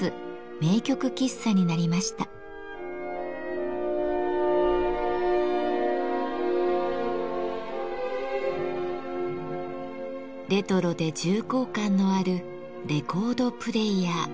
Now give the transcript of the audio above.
レトロで重厚感のあるレコードプレーヤー。